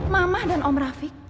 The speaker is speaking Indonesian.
mama dan om rafiq